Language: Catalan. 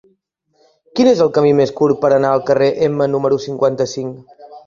Quin és el camí més curt per anar al carrer Ema número cinquanta-cinc?